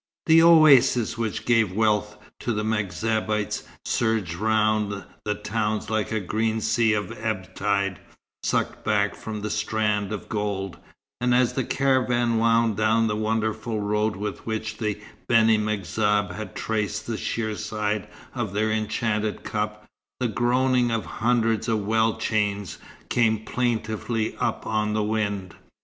The oasis which gave wealth to the M'Zabites surged round the towns like a green sea at ebb tide, sucked back from a strand of gold; and as the caravan wound down the wonderful road with which the Beni M'Zab had traced the sheer side of their enchanted cup, the groaning of hundreds of well chains came plaintively up on the wind.